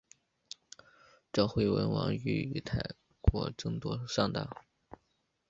赵惠文王欲与秦国争夺上党。